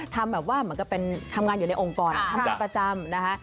ทำแบบว่าเหมือนกับเป็นทำงานอยู่ในองค์กรทำเป็นประจำนะคะ